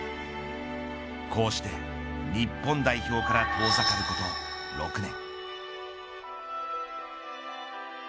こうして日本代表から遠ざかること６年。